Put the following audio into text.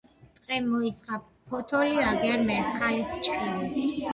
ტყემ მოისხა ფოტოლი აგერ მერცხალიც ჭყივის.